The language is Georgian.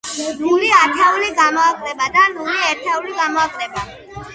ნული ათეული გამოაკლდება და ნული ერთეული გამოაკლდება.